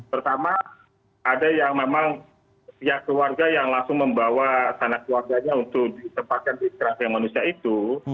pertama ada yang memang pihak keluarga yang langsung membawa sanak keluarganya untuk ditempatkan di kerasa manusia itu